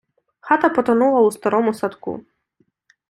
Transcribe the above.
Хата потонула в старому садку.